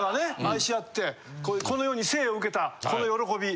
愛し合ってこの世に生を受けたこの喜び。